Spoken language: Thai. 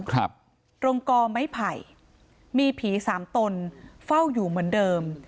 ตรงกอไม้ไผ่มีผีสามตนเฝ้าอยู่เหมือนเดิม